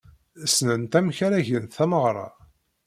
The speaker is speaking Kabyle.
Ssnent amek ara gent tameɣra.